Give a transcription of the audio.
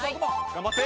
頑張って！